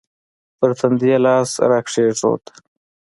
پر تندي يې لاس راکښېښوو.